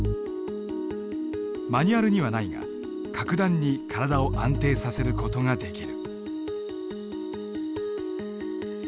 マニュアルにはないが格段に体を安定させる事ができる。